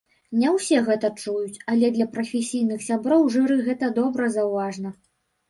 Не ўсе гэта чуюць, але для прафесійных сяброў жыры гэта добра заўважна.